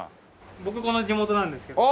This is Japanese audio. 僕この地元なんですけど。